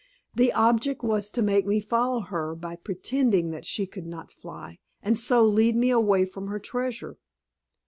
The object was to make me follow her by pretending that she could not fly, and so lead me away from her treasure.